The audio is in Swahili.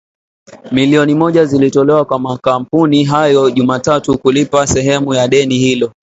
milioni moja zilitolewa kwa makampuni hayo Jumatatu kulipa sehemu ya deni hilo.